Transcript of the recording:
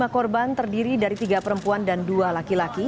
lima korban terdiri dari tiga perempuan dan dua laki laki